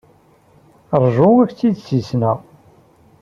Ṛju ak-t-id-ssissneɣ.